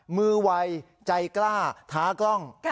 มือวัยใจกล้าท้ากล้อง